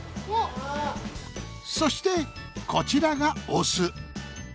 そしてこちらがオス。